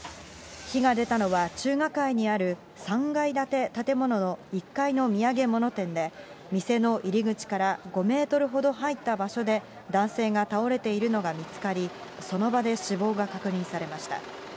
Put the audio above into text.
火が出たのは中華街にある３階建て建物の１階の土産物店で、店の入り口から、５メートルほど入った場所で、男性が倒れているのが見つかり、その場で死亡が確認されました。